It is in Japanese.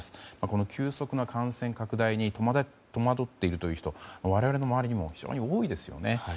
この急速な感染拡大に戸惑っているという人は我々の周りにも非常に多いですよね。